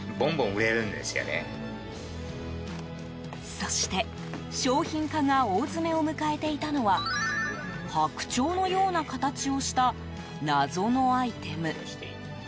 そして、商品化が大詰めを迎えていたのは白鳥のような形をした謎のアイテム。